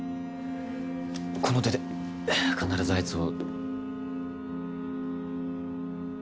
この手で必ずあいつを。